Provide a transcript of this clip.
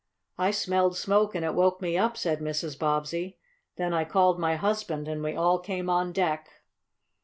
"I smelled smoke, and it woke me up," said Mrs. Bobbsey. "Then I called my husband and we all came on deck."